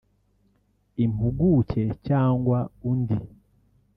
impuguke cyangwa undi